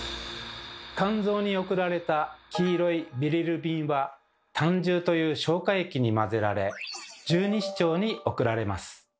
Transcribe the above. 肝臓に送られた黄色いビリルビンは胆汁という消化液に混ぜられ十二指腸に送られます。